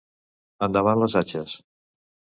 Endavant les atxes!